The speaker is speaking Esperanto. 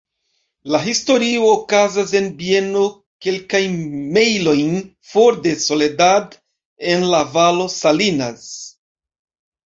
La historio okazas en bieno kelkajn mejlojn for de Soledad en la Valo Salinas.